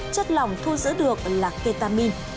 chất lỏng thu giữ được là ketamin